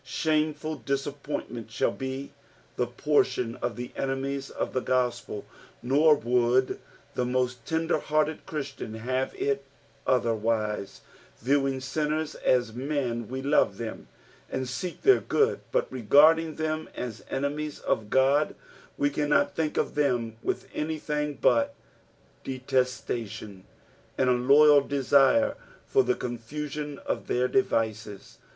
Snameful disappointment shall be the portion of the enemies of the gospel, nor would the most tender hearted Christian have it otherwise ; viewing sinners aa men, we love them and seek their good, but regarding them as enemies of God, we cannot think of them with anything but detestatton, and a loyal desire fnr the confusion of their devices.